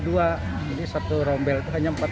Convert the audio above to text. jadi satu rombel itu hanya